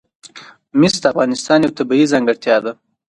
مس د افغانستان یوه طبیعي ځانګړتیا ده.